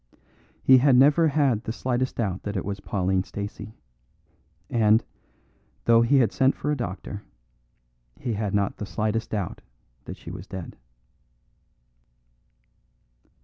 He had never had the slightest doubt that it was Pauline Stacey; and, though he had sent for a doctor, he had not the slightest doubt that she was dead.